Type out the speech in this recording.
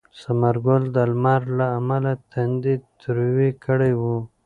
ثمر ګل د لمر له امله تندی تریو کړی و.